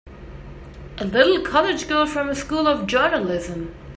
A little college girl from a School of Journalism!